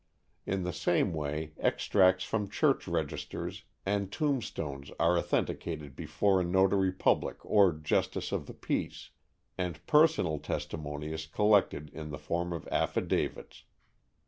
In the same way extracts from church registers and tombstones are authenticated before a notary public or justice of the peace, and personal testimony is collected in the form of affidavits.